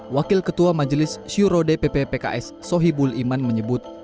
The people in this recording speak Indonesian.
wakil ketua majelis syuro dpp pks sohibul iman menyebut